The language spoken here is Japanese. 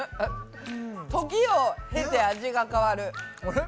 時を経て味が変わる。